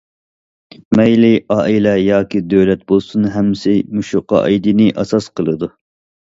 مەيلى ئائىلە ياكى دۆلەت بولسۇن، ھەممىسى مۇشۇ قائىدىنى ئاساس قىلىدۇ.